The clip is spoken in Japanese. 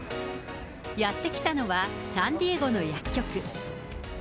やって来たのは、サンディエゴの薬局。